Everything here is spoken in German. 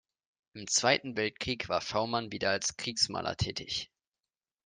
Im Zweiten Weltkrieg war Schaumann wieder als Kriegsmaler tätig.